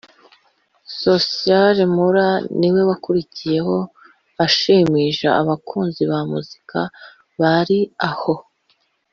Social Mula niwe wakurikiyeho ashimisha abakunzi ba muzika bari aho